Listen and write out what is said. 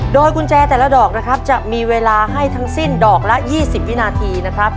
โดยกุญแจแต่ละดอกนะครับจะมีเวลาให้ทั้งสิ้นดอกละ๒๐วินาทีนะครับ